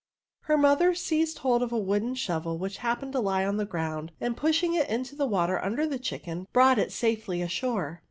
Her mother seized hold of a wooden shorel which happened to lie on the ground, and pushing it into the water under the chicken, brought it safely ashore.